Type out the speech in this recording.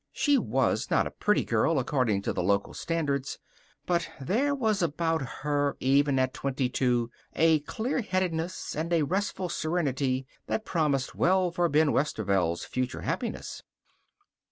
She was not a pretty girl, according to the local standards, but there was about her, even at twenty two, a clear headedness and a restful serenity that promised well for Ben Westerveld's future happiness.